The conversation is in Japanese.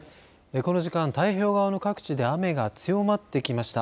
この時間太平洋側の各地で雨が強まってきました。